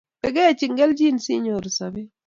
Bagochi kelchin sinyoru sobet